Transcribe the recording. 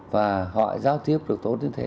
và họ giao tiếp được tốt như thế